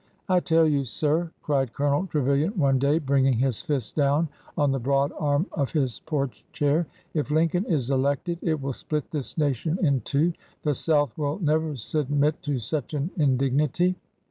'' I tell you, sir," cried Colonel Trevilian one day, bringing his fist down on the broad arm of his porch chair, '' if Lincoln is elected it will split this nation in two ! The South will never submit to such an indignity